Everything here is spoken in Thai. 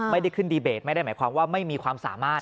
ไม่ได้ขึ้นดีเบตไม่ได้หมายความว่าไม่มีความสามารถ